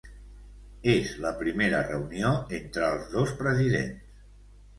És la primera reunió entre els dos presidents.